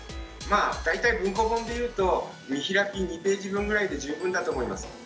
まあ大体文庫本で言うと見開き２ページ分ぐらいで十分だと思います。